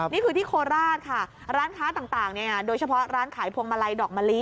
นี่คือที่โคราชค่ะร้านค้าต่างโดยเฉพาะร้านขายพวงมาลัยดอกมะลิ